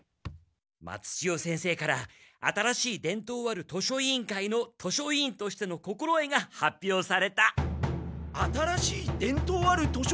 松千代先生から新しい伝統ある図書委員会の図書委員としての心得が発表された。ですか？